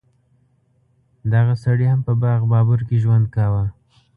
دغه سړي هم په باغ بابر کې ژوند کاوه.